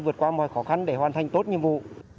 vượt qua mọi khó khăn để hoàn thành tốt nhiệm vụ